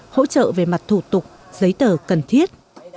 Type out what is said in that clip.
hỗ trợ về mặt thủ tục giấy tờ cần thiết